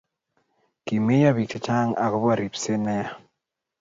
kimeyo biik chechang' akobo ribset ne yaa